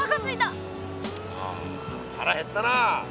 ああ腹減ったな。